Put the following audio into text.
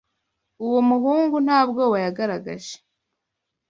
Uwo muhungu nta bwoba yagaragaje.